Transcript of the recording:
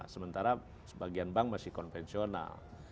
sementara sebagian bank masih konvensional